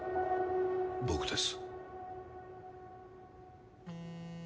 僕です。